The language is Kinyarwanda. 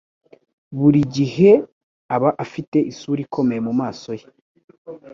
Buri gihe aba afite isura ikomeye mumaso ye.